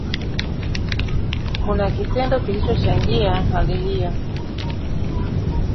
Kuna kitendo kilichochangia hali hiyo